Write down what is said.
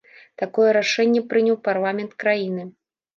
Такое рашэнне прыняў парламент краіны.